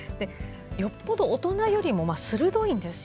よっぽど大人よりも鋭いんです